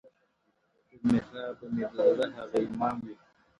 پر محراب به مي د زړه هغه امام وي-